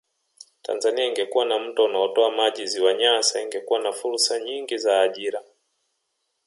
Tanzania ingekuwa na mto unaotoa maji ziwa Nyasa ingekuwa na fursa nyingi za ajira